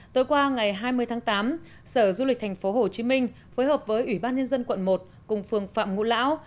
tối qua ngày hai mươi tháng tám sở du lịch thành phố hồ chí minh phối hợp với ủy ban nhân dân quận một cùng phường phạm ngũ lão